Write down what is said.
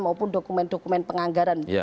maupun dokumen dokumen penganggaran